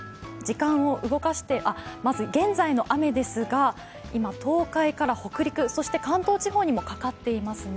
現在の雨ですが、今、東海から北陸、そして関東地方にもかかっていますね。